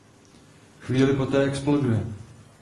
Chvíli poté exploduje.